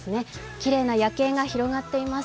きれいな夜景が広がっています。